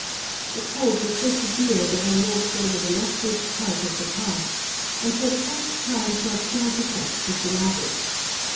The cold was so severe that I walked over the loftiest part of the pass, and for the first time felt slight effects of the ladug.